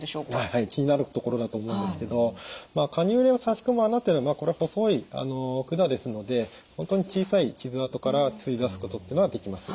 はい気になるところだと思うんですけどカニューレをさし込む孔というのはこれ細い管ですので本当に小さい傷あとから吸い出すことっていうのができます。